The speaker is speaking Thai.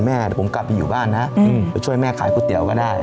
แม่เดี๋ยวผมกลับไปอยู่บ้านนะไปช่วยแม่ขายก๋วยเตี๋ยวก็ได้